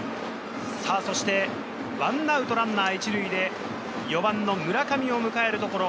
そして１アウトランナー１塁で４番の村上を迎えるところ。